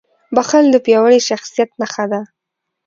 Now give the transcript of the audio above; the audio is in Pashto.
• بښل د پیاوړي شخصیت نښه ده.